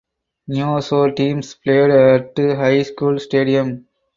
Neosho teams played at High School Stadium.